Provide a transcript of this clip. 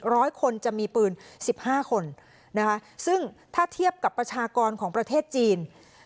ร้อยคนจะมีปืนสิบห้าคนนะคะซึ่งถ้าเทียบกับประชากรของประเทศจีน